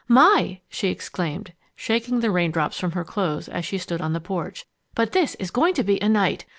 "My!" she exclaimed, shaking the raindrops from her clothes as she stood on the porch, "but this is going to be a night!